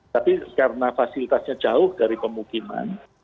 tapi karena fasilitasnya jauh dari pemukiman